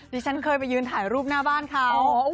ฉันเคยไปยืนถ่ายรูปหน้าบ้านเขา